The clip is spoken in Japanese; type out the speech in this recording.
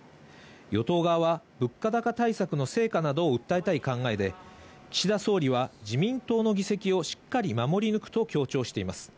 与党側は物価高対策の成果などを訴えたい考えで、岸田総理は自民党の議席をしっかり守り抜くと強調しています。